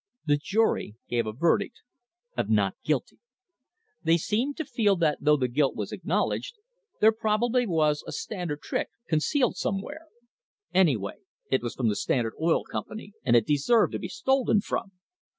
The jury gave a verdict of Not guilty! They seemed to feel that though the guilt was acknowl edged, there probably was a Standard trick concealed some where. Anyway it was the Standard Oil Company and it de served to be stolen from!